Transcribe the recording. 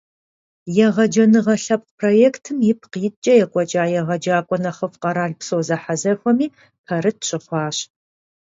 «Егъэджэныгъэ» лъэпкъ проектым ипкъ иткӀэ екӀуэкӀа «егъэджакӀуэ нэхъыфӀ» къэралпсо зэхьэзэхуэми пэрыт щыхъуащ.